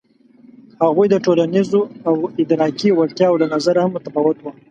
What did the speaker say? هغوی د ټولنیزو او ادراکي وړتیاوو له نظره هم متفاوت وو.